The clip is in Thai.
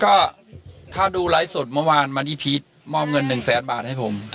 ก็ถ้าดูไลฟ์สดเมื่อวานวันนี้พีชมอบเงิน๑แสนบาทให้ผม